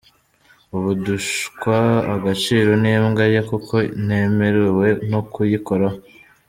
Ubu ndushwa agaciro n’imbwa ye kuko ntemerewe no kuyikoraho !